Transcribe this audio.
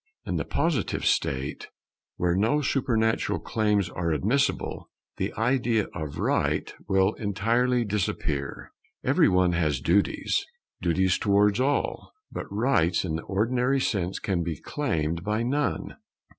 In the Positive state, where no supernatural claims are admissible, the idea of Right will entirely disappear. Every one has duties, duties towards all; but rights in the ordinary sense can be claimed by none.